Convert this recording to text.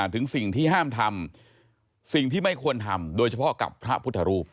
ถึงสิ่งที่ห้ามทำสิ่งที่ไม่ควรทำโดยเฉพาะกับพระพุทธรูป